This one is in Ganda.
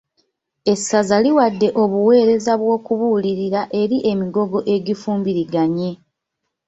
Esazza liwadde obuweereza bw'okubuulirira eri emigogo egifumbiriganye.